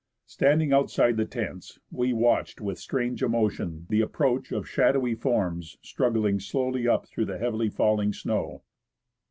Standing outside the tents, we watched with strange emotion the approach of shadowy forms struggling slowly up through the heavily falling snow.